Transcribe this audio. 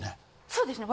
そうですね。